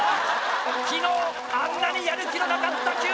昨日あんなにやる気のなかったＱ太郎。